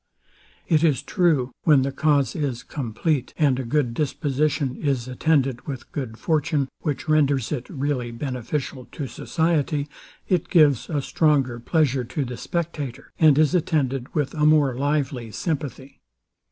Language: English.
It is true, when the cause is compleat, and a good disposition is attended with good fortune, which renders it really beneficial to society, it gives a stronger pleasure to the spectator, and is attended with a more lively sympathy.